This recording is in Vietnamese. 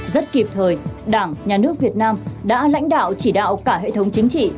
rất kịp thời đảng nhà nước việt nam đã lãnh đạo chỉ đạo cả hệ thống chính trị